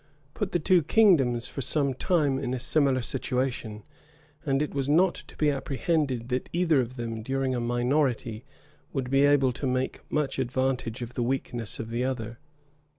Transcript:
put the two kingdoms for some time in a similar situation; and it was not to be apprehended, that either of them, during a minority, would be able to make much advantage of the weakness of the other.